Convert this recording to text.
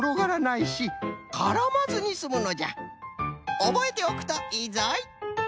おぼえておくといいぞい。